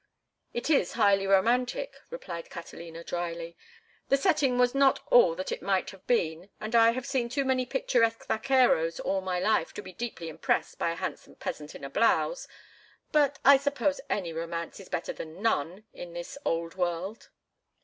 "It is highly romantic," replied Catalina, dryly. "The setting was not all that it might have been, and I have seen too many picturesque vaqueros all my life to be deeply impressed by a handsome peasant in a blouse; but I suppose any romance is better than none in this Old World."